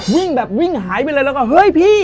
วิ่งแบบวิ่งหายไปเลยแล้วก็เฮ้ยพี่